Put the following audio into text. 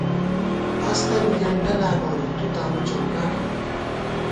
ہستہ بی گېنٹہ لا نوری، تُو تانُو چَوکاٹہ نُون